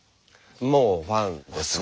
もうファンですね。